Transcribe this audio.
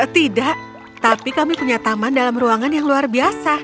tidak tapi kami punya taman dalam ruangan yang luar biasa